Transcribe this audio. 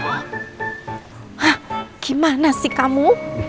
hah gimana sih kamu